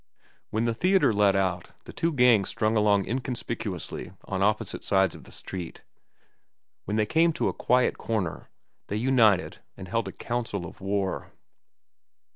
When the theatre let out, the two gangs strung along inconspicuously on opposite sides of the street. When they came to a quiet corner, they united and held a council of war.